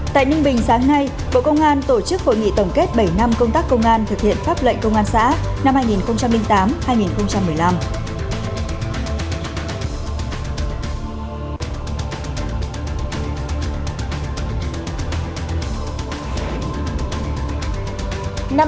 tại ninh bình sáng nay bộ công an tổ chức hội nghị tổng kết bảy năm công tác công an thực hiện pháp lệnh công an xã năm hai nghìn tám hai nghìn một mươi năm